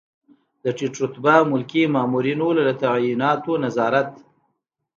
د ټیټ رتبه ملکي مامورینو له تعیناتو نظارت.